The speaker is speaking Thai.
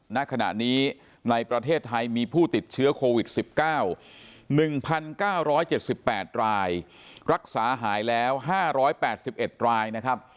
ณขณะนี้ในประเทศไทยมีผู้ติดเชื้อโควิด๑๙๑๙๗๘รายรักษาหายแล้ว๕๘๑รายนะครับ